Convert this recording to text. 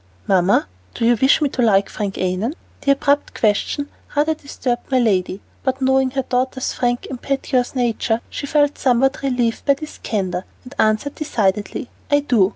"Mamma, do you wish me to like Frank Annon?" The abrupt question rather disturbed my lady, but knowing her daughter's frank, impetuous nature, she felt somewhat relieved by this candor, and answered decidedly, "I do.